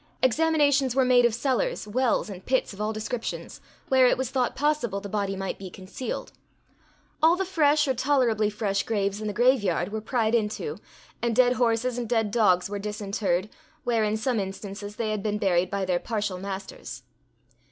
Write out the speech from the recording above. Examinations were made of cellars, wells, and pits of all descriptions, where it was thought possible the body might be concealed. All the fresh, or tolerably fresh graves in the graveyard, were pried into, and dead horses and dead dogs were disintered, where, in some instances, they had been buried by their partial masters.